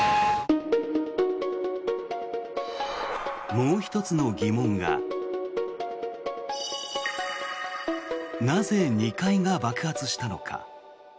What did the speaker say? もう１つの疑問がなぜ２階が爆発したのか。